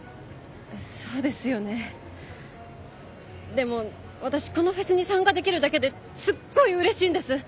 でも私このフェスに参加できるだけですっごいうれしいんです。